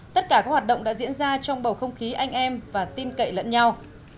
tất cả các hoạt động đã diễn ra trong bầu không khí anh em và tin cậy lẫn nhau